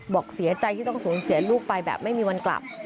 บอกเสียใจที่ต้องสูญเสียลูกไปแบบไม่มีวันกลับ